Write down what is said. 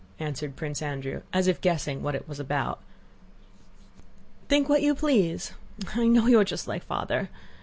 answered Prince Andrew, as if guessing what it was about. "Think what you please! I know you are just like Father.